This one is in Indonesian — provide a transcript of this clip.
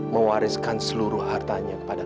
mewariskan seluruh hartanya pada